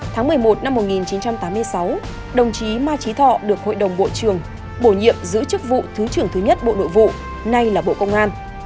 tháng một mươi một năm một nghìn chín trăm tám mươi sáu đồng chí mai trí thọ được hội đồng bộ trường bổ nhiệm giữ chức vụ thứ trưởng thứ nhất bộ nội vụ nay là bộ công an